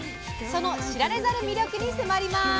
その知られざる魅力に迫ります。